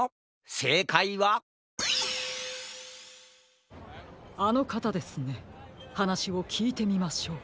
せいかいはあのかたですねはなしをきいてみましょう。